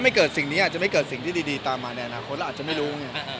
แล้วพรุ่งนี้อาจไม่เกิดสิ่งที่ดีตามมาในอนาคตเราอาจจะไม่รู้